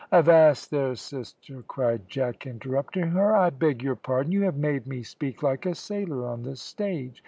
"Avast there, sister," cried Jack, interrupting her; "I beg your pardon; you have made me speak like a sailor on the stage.